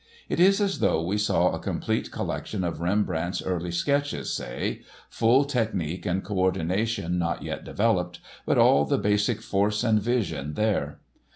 It is as though we saw a complete collection of Rembrandt's early sketches, say—full technique and co ordination not yet developed, but all the basic force and vision there.